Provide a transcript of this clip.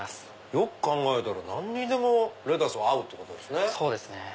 よく考えたら何にでもレタスは合うってことですね。